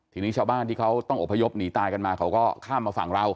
ทีนี้ชาวบ้านที่เขาต้องอบพยพหนีตายกันมาเขาก็ข้ามมาฝั่งเรา